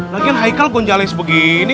lagian haikal gonjales begini